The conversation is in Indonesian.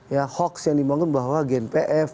ya hoax yang dibangun bahwa gnpf